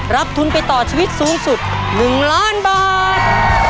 รับทุนไปต่อชีวิตสูงสุด๑ล้านบาท